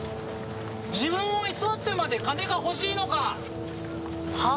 自分を偽ってまで金が欲しいのか！は？